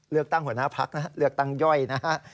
เลือกตั้งหัวหน้าพักนะฮะเลือกตั้งย่อยนะฮะ